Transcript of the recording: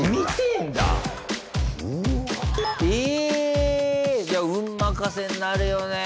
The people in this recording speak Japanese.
ええ！じゃあ運任せになるよね